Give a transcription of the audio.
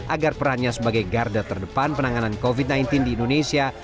agar perannya sebagai garda terdepan penanganan covid sembilan belas di indonesia